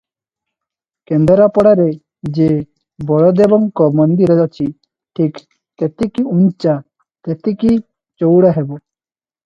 କେନ୍ଦରାପଡ଼ାରେ ଯେ ବଳଦେବଙ୍କ ମନ୍ଦିର ଅଛି, ଠିକ୍ ତେତିକି ଉଞ୍ଚା, ତେତିକି ଚଉଡ଼ା ହେବ ।